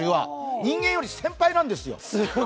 人間より先輩なんですよ！